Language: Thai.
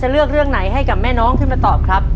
จะเลือกเรื่องไหนให้ม่าน้องมาตอบครับ